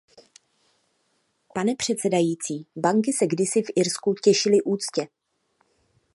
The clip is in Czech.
Pane předsedající, banky se kdysi v Irsku těšily úctě.